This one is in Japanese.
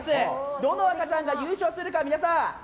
どの赤ちゃんが優勝するか。